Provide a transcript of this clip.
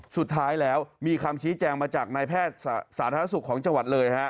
สุดท้ายแล้วมีคำชี้แจงมาจากนายแพทย์สาธารณสุขของจังหวัดเลยฮะ